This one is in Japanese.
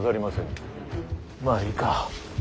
まあいいか。